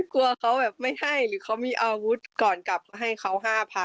กลัวเขาแบบไม่ให้หรือเขามีอาวุธก่อนกลับให้เขา๕๐๐